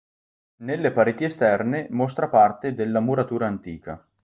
Nelle pareti esterne mostra parte della muratura antica.